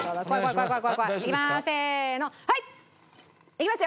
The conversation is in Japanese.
いきます。